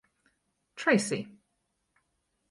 Tracy.